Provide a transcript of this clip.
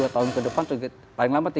dua tahun ke depan paling lambat